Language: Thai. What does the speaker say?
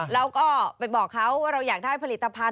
เราก็ไปบอกเขาว่าเราอยากได้ผลิตภัณฑ